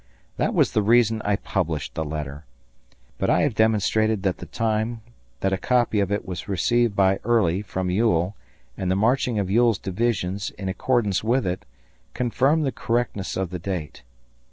That was the reason I published the letter. But I have demonstrated that the time that a copy of it was received by Early from Ewell and the marching of Ewell's divisions in accordance with it confirm the correctness of the date.